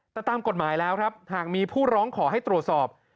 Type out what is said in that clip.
แต่ตามกฎหมายแล้วครับหากมีผู้ร้องขอให้ตรวจสอบ